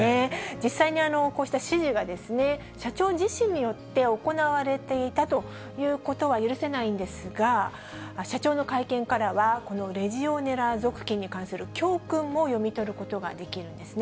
実際にこうした指示が社長自身によって行われていたということは許せないんですが、社長の会見からはこのレジオネラ属菌に関する教訓も読み取ることができるんですね。